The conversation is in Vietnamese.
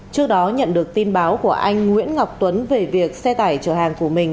trước đó nhận được tin báo của anh nguyễn ngọc tuấn về việc xe tải chở hàng của mình